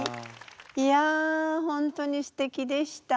いや本当にすてきでした。